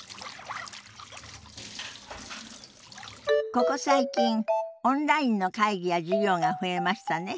ここ最近オンラインの会議や授業が増えましたね。